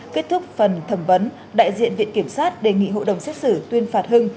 kết thúc phần thẩm vấn đại diện viện kiểm sát đề nghị hội đồng xét xử tuyên phạt hưng